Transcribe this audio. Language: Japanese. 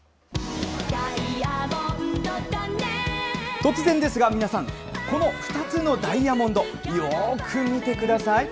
突然ですが、皆さん、この２つのダイヤモンド、よーく見てください。